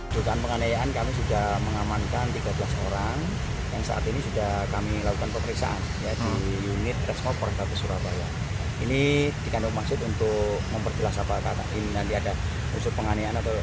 terima kasih sudah mengamankan tiga belas orang yang saat ini sudah kami lakukan pemeriksaan